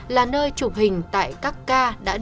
là nơi chụp hình tại các ca